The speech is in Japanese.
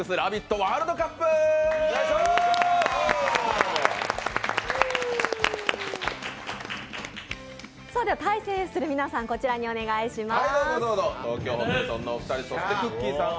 ワールドカップ！では対戦する皆さん、こちらにお願いします。